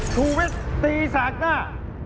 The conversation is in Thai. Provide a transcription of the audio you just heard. ทุวิทย์ตีสากหน้า